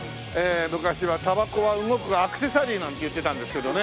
昔はたばこは動くアクセサリーなんて言ってたんですけどね。